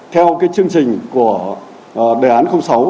theo cái chương trình của đề án sáu